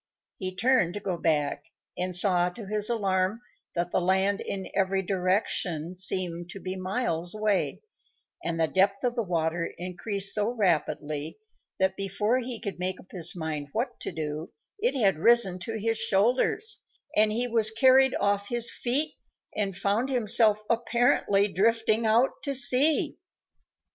He turned to go back, and saw, to his alarm, that the land in every direction seemed to be miles away, and the depth of the water increased so rapidly that, before he could make up his mind what to do, it had risen to his shoulders, and he was carried off his feet and found himself apparently drifting out to sea.